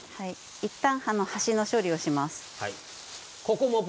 いったん端の処理をします。